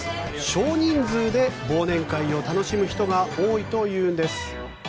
少人数で忘年会を楽しむ人が多いというんです。